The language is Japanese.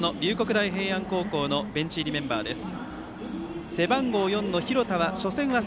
大平安高校のベンチ入りメンバーです。